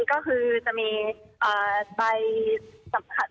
ก็คือจะมี